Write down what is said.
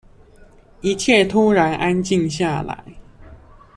一切突然安靜下來